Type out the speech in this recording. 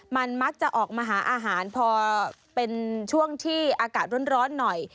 มันมักจะออกมาหาอาหารพอเป็นช่วงที่อากาศร้อนหน่อย